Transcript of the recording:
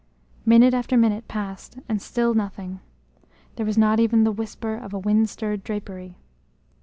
Minute after minute passed, and still nothing. There was not even the whisper of a wind stirred drapery.